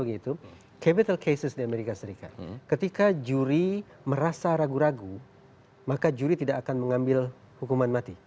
kenapa begitu capital cases di amerika serikat ketika juri merasa ragu ragu maka juri tidak akan mengambil hukuman mati